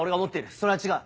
それは違う！